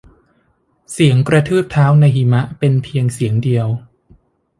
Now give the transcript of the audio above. เสียงกระทืบเท้าในหิมะเป็นเป็นเพียงเสียงเดียว